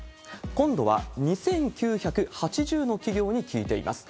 今度は、２９８０の企業に聞いています。